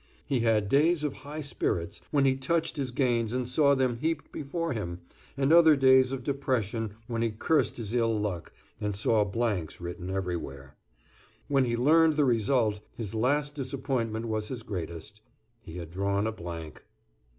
He had days of high spirits, when he touched his gains and saw them heaped before him, and other days of depression when he cursed his ill luck, and saw blanks written everywhere. When he learned the result his last disappointment was his greatest. He had drawn a blank.